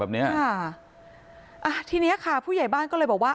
แบบเนี้ยค่ะอ่าทีเนี้ยค่ะผู้ใหญ่บ้านก็เลยบอกว่า